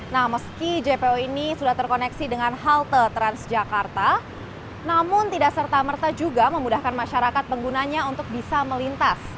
nah meski jpo ini sudah terkoneksi dengan halte transjakarta namun tidak serta merta juga memudahkan masyarakat penggunanya untuk bisa melintas